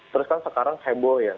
terus kan sekarang heboh ya